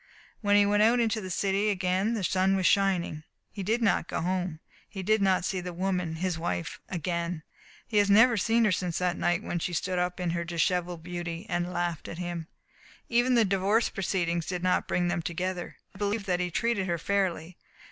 When he went out into the city again the sun was shining. He did not go home. He did not see the woman his wife again. He has never seen her since that night when she stood up in her dishevelled beauty and laughed at him. Even the divorce proceedings did not bring them together. I believe that he treated her fairly.